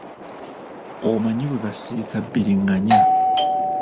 Omanyi bwe basiika bbiringanya?